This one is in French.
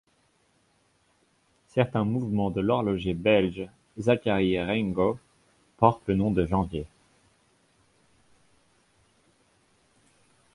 Certains mouvements de l’horloger belge Zacharie Raingo portent le nom de Janvier.